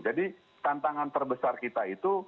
jadi tantangan terbesar kita itu